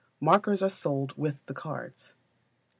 Markers are sold with the cards.